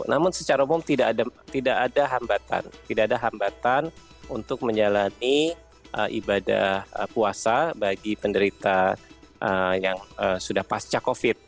namun secara umum tidak ada hambatan tidak ada hambatan untuk menjalani ibadah puasa bagi penderita yang sudah pasca covid